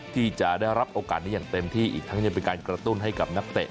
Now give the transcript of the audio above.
ที่จะได้รับโอกาสนี้อย่างเต็มที่อีกทั้งยังเป็นการกระตุ้นให้กับนักเตะ